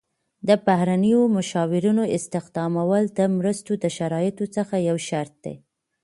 د بهرنیو مشاورینو استخدامول د مرستو د شرایطو څخه یو شرط دی.